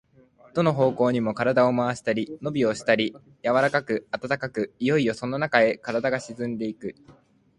どの方向にも身体を廻したり、のびをしたりでき、柔かく暖かく、いよいよそのなかへ身体が沈んでいく。